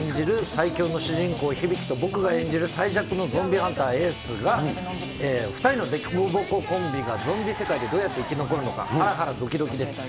最強の主人公、響と、僕が演じる最弱のゾンビハンター、エースが２人の凸凹コンビがゾンビ世界でどうやって生き残るのか、はらはらどきどきです。